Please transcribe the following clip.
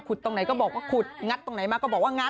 ตรงไหนก็บอกว่าขุดงัดตรงไหนมาก็บอกว่างัด